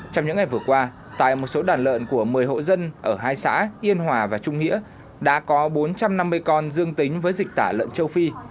trong những ngày vừa qua tại một số đàn lợn của một mươi hộ dân ở hai xã yên hòa và trung nghĩa đã có bốn trăm năm mươi con dương tính với dịch tả lợn châu phi